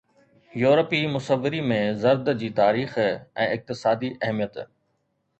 يورپي مصوري ۾ زرد جي تاريخي ۽ اقتصادي اهميت